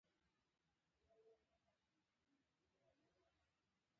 دا استدلال یې په مقام صحابه کتاب کې کړی.